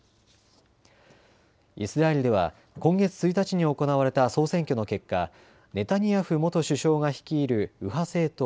イスラエルでは今月１日に行われた総選挙の結果、ネタニヤフ元首相が率いる右派政党